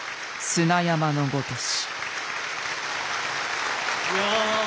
砂山のごとし。